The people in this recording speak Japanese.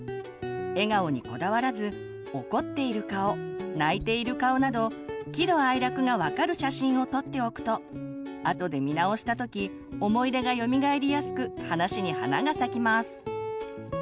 笑顔にこだわらず怒っている顔泣いている顔など喜怒哀楽が分かる写真を撮っておくとあとで見直した時思い出がよみがえりやすく話に花が咲きます。